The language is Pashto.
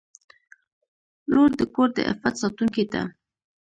• لور د کور د عفت ساتونکې ده.